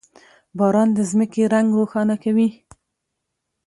• باران د ځمکې رنګ روښانه کوي.